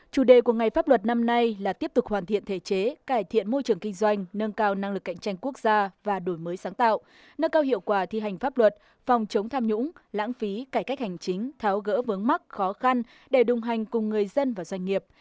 chủ đề của ngày pháp luật năm nay là tiếp tục hoàn thiện thể chế cải thiện môi trường kinh doanh nâng cao năng lực cạnh tranh quốc gia và đổi mới sáng tạo nâng cao hiệu quả thi hành pháp luật phòng chống tham nhũng lãng phí cải cách hành chính tháo gỡ vướng mắc khó khăn để đồng hành cùng người dân và doanh nghiệp